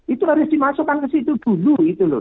itu harus dimasukkan ke situ dulu gitu loh